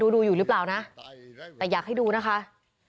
เลี้ยงเหรนเลี้ยงเหรน